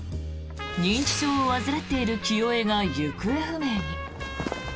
認知症を患っている清江が行方不明に。